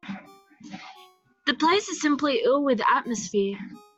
The place is simply ill with atmosphere.